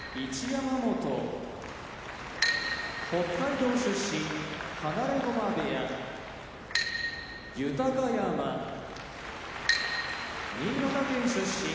山本北海道出身放駒部屋豊山新潟県出身